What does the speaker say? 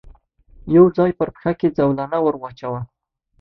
يو ځای پر پښه کې زولنه ور واچاوه.